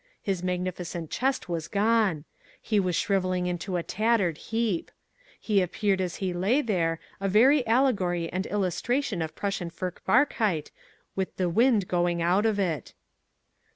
His magnificent chest was gone. He was shrivelling into a tattered heap. He appeared as he lay there, a very allegory and illustration of Prussian Furchtbarkeit with the wind going out of it.